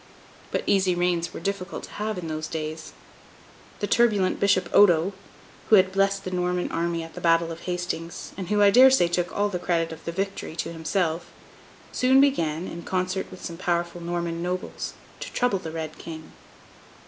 But easy reigns were difficult to have in those days. The turbulent Bishop Odo (who had blessed the Norman army at the Battle of Hastings, and who, I dare say, took all the credit of the victory to himself) soon began, in concert with some powerful Norman nobles, to trouble the Red King.